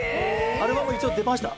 アルバム一応出ました